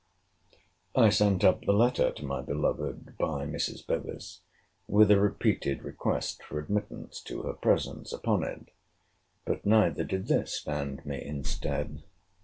I sent up the letter to my beloved, by Mrs. Bevis, with a repeated request for admittance to her presence upon it; but neither did this stand me in stead.